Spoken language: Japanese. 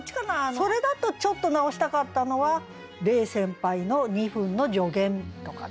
それだとちょっと直したかったのは「黎先輩の２分の助言」とかね。